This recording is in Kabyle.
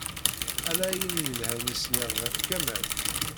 Ala ayen yelhan i sliɣ ɣef Kamal.